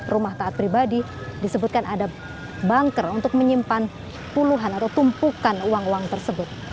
rumah taat pribadi disebutkan ada banker untuk menyimpan puluhan atau tumpukan uang uang tersebut